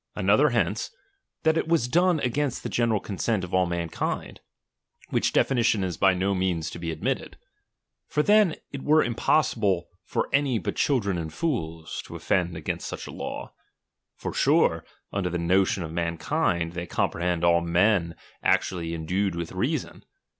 Another hence, that it was done against the general consent of all man kind ; which definition is by no means to be ad mitted. For then it were impossible for any but children and fools, to offend against such a law ; for sure, under the notion of mankind, they com prehend all men actually endued with reason.